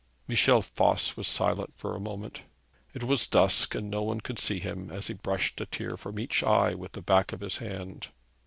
Michel Voss was silent for a moment. It was dusk, and no one could see him as he brushed a tear from each eye with the back of his hand.